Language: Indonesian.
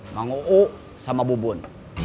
mang uu sama bubun